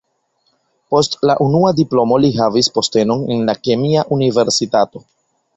Post la unua diplomo li havis postenon en la kemia universitato.